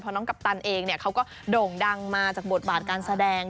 เพราะน้องกัปตันเองเขาก็โด่งดังมาจากบทบาทการแสดง